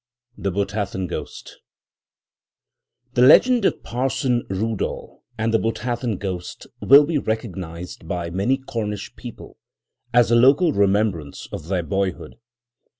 The Botathen Ghostby the Rev. S.R. Hawker The legend of Parson Rudall and the Botathen Ghost will be recognised by many Cornish people as a local remembrance of their boyhood.